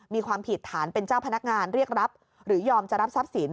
มีความผิดฐานเป็นเจ้าพนักงานเรียกรับหรือยอมจะรับทรัพย์สิน